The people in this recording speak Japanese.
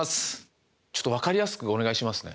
ちょっとわかりやすくお願いしますね。